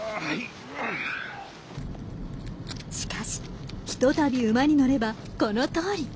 しかしひとたび馬になればこのとおり。